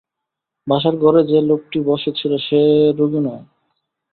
বসার ঘরে যে লোকটি বসে ছিল, সে রোগী নয়।